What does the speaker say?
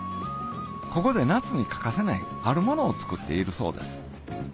ここで夏に欠かせないあるものを作っているそうです